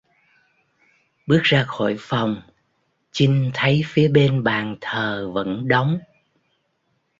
Bước ra khỏi phòng chinh thấy phía bên bàn thờ vẫn đóng